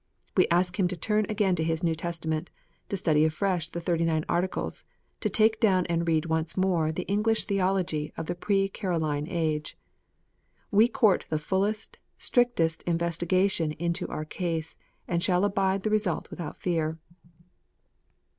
We ask him to turn again to his New Testament, to study afresh the Thirty nine Articles, to take down and read once more the English theology of the pro Caroline age. We court the fullest, strictest investiga tion into our case, and shall abide the result without fear.